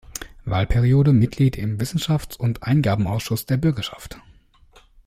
Wahlperiode Mitglied im Wissenschafts- und Eingabenausschuss der Bürgerschaft.